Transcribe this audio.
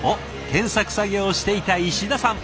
研削作業をしていた石田さん。